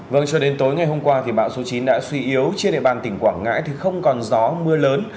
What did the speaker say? vâng cho đến tối ngày hôm qua thì bão số chín đã suy yếu trên địa bàn tỉnh quảng ngãi thì không còn gió mưa lớn